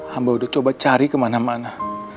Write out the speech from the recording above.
hamba udah coba cari kemana mana